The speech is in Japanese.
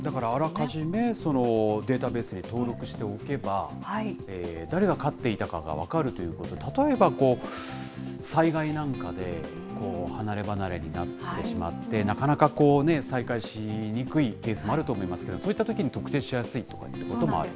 これ、だからあらかじめデータベースに登録しておけば、誰が飼っていたかが分かるということ、例えば、災害なんかで離れ離れになってしまって、なかなか再会しにくいケースもあると思いますけれども、そういったときに特定しやすいということもある？